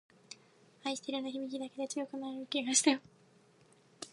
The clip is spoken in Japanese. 愛してるの響きだけで強くなれる気がしたよ